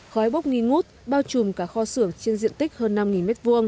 khói bốc nghi ngút bao trùm cả kho xưởng trên diện tích hơn năm m hai